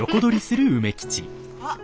あっ！